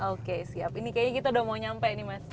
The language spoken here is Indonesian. oke siap ini kayaknya kita udah mau nyampe nih mas